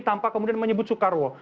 tanpa kemudian menyebut soekarwo